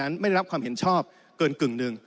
ไม่รับความเห็นชอบเกินกึ่งหนึ่ง